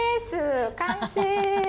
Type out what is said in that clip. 完成！